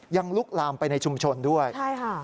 ลุกลามไปในชุมชนด้วยใช่ค่ะ